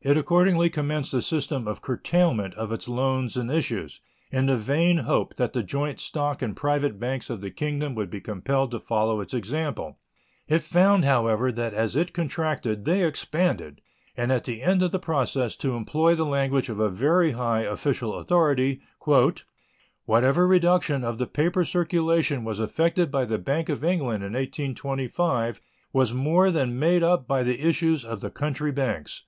It accordingly commenced a system of curtailment of its loans and issues, in the vain hope that the joint stock and private banks of the Kingdom would be compelled to follow its example. It found, however, that as it contracted they expanded, and at the end of the process, to employ the language of a very high official authority, "whatever reduction of the paper circulation was effected by the Bank of England (in 1825) was more than made up by the issues of the country banks."